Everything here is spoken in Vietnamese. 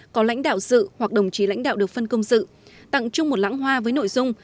có lãnh đạo dự hoặc đồng chí lãnh đạo được phân công dự tặng chung một lãng hoa với nội dung